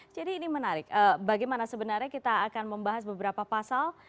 jadi ini menarik bagaimana sebenarnya kita akan membahas beberapa pasal